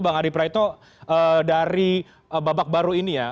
bang adi praetno dari babak baru ini ya